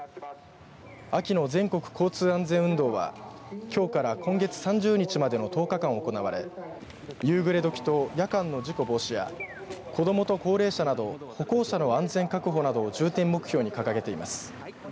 秋の全国交通安全運動はきょうから今月３０日までの１０日間行われ夕暮れ時と夜間の事故防止や子どもと高齢者など歩行者の安全確保などを重点目標に掲げています。